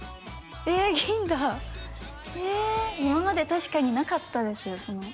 え銀だえ今まで確かになかったですよ